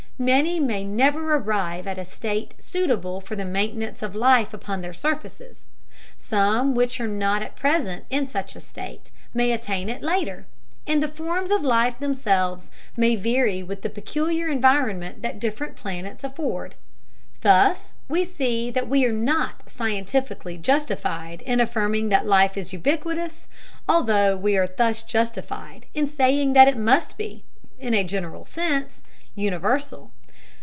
Many may never arrive at a state suitable for the maintenance of life upon their surfaces; some which are not at present in such a state may attain it later; and the forms of life themselves may vary with the peculiar environment that different planets afford. Thus we see that we are not scientifically justified in affirming that life is ubiquitous, although we are thus justified in saying that it must be, in a general sense, universal.